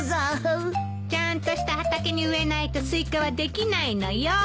ちゃんとした畑に植えないとスイカはできないのよ。